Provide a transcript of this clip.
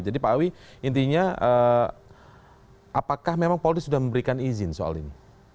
jadi pak awi intinya apakah memang polda sudah memberikan izin soal ini